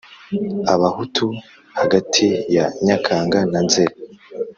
abahutu hagati ya nyakanga na nzeri